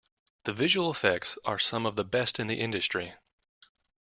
The visual effects are some of the best in the industry.